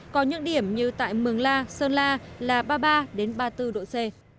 có những điểm như tại mường la sơn la là ba mươi ba ba mươi bốn độ c